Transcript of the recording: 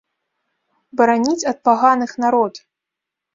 Бараніць ад паганых народ!